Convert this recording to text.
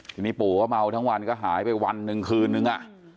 ทีนี้ปู่ก็เมาทั้งวันก็หายไปวันหนึ่งคืนนึง